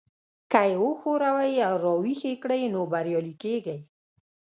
که يې وښوروئ او را ويښ يې کړئ نو بريالي کېږئ.